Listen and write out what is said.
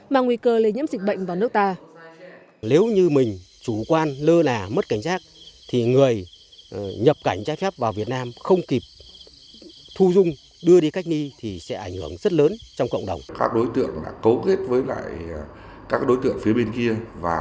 mang nguy cơ lây nhiễm dịch bệnh vào nước ta